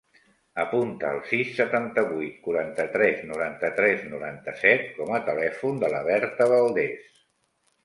Apunta el sis, setanta-vuit, quaranta-tres, noranta-tres, noranta-set com a telèfon de la Berta Valdes.